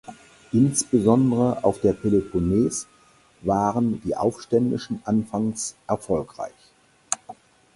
Insbesondere auf der Peloponnes waren die Aufständischen anfangs erfolgreich.